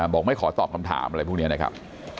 บอกไม่ขอตอบคำถามอะไรพวกนี้นะครับ